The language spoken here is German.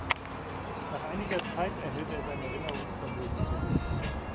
Nach einiger Zeit erhält er sein Erinnerungsvermögen zurück.